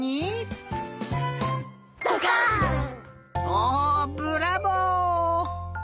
おブラボー！